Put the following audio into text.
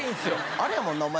あれやもんなお前